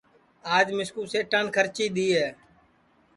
آج مِسکُُو سیٹان کھرچی دؔی ہے